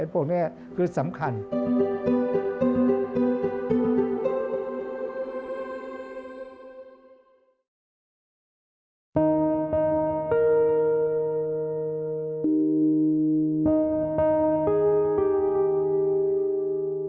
พวกนี้คือสำคัญ